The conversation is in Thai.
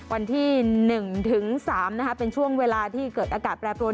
วันที่๑ถึง๓เป็นช่วงเวลาที่เกิดอากาศแปรปรวน